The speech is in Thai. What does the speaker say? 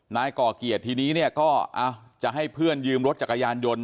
ก่อเกียรติทีนี้เนี่ยก็จะให้เพื่อนยืมรถจักรยานยนต์